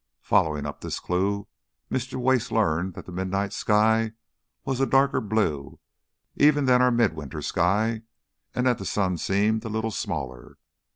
Following up this clue, Mr. Wace learned that the midnight sky was a darker blue even than our midwinter sky, and that the sun seemed a little smaller.